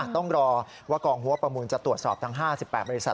ต้องรอว่ากองหัวประมูลจะตรวจสอบทั้ง๕๘บริษัท